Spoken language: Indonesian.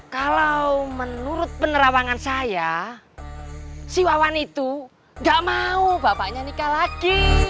kalau menurut penerawangan saya si wawan itu gak mau bapaknya nikah lagi